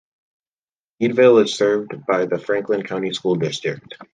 Meadville is served by the Franklin County School District.